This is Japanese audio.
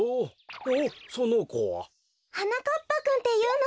おっそのこは？はなかっぱくんっていうの。